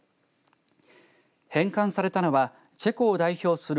返還されたのはチェコを代表する。